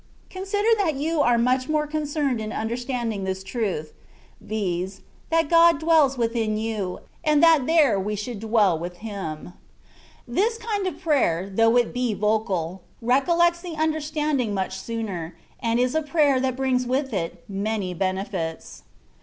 Consider that you are much concerned in under standing this truth, viz., that God dwells within you, and that there we should dwell with Him. This kind of prayer, though it be vocal, recol THE WAY OF PERFECTION. 135 lects the understanding much sooner^ and is a prayer that brings with it many benefits.